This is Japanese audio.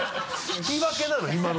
引き分けなの？